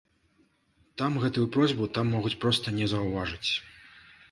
Там гэтую просьбу там могуць проста не заўважыць.